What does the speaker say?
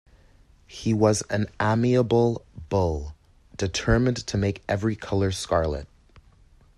He was an amiable bull, determined to make every colour scarlet.